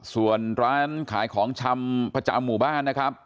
ส่วนร้านขายของชำประจำหมู่บ้านนะครับ